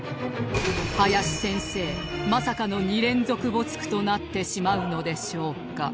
林先生まさかの２連続没句となってしまうのでしょうか？